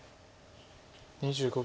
２５秒。